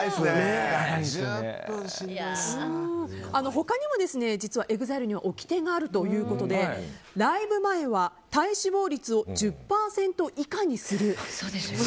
他にも実はＥＸＩＬＥには掟があるということでライブ前は体脂肪率を１０％以下にする。